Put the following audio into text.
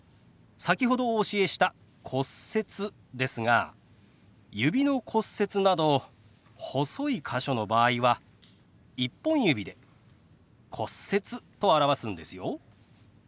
先ほどお教えした「骨折」ですが指の骨折など細い箇所の場合は１本指で「骨折」と表すんですよ。